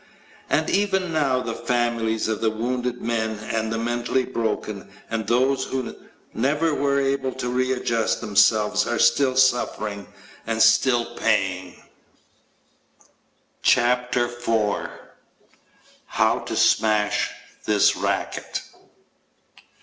And even now the families of the wounded men and of the mentally broken and those who never were able to readjust themselves are still suffering and still paying. CHAPTER FOUR How To Smash This Racket!